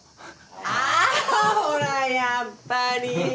あらほらやっぱり。